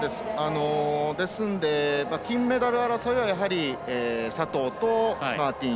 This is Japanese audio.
ですので、金メダル争いは佐藤とマーティン。